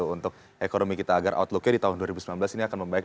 untuk ekonomi kita agar outlooknya di tahun dua ribu sembilan belas ini akan membaik